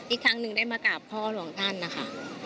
อีกครั้งหนึ่งได้มากราบพ่อหลวงท่านนะคะ